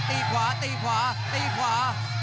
ตีขวาตีขวาตีขวา